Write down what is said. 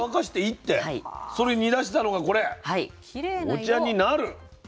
お茶になる。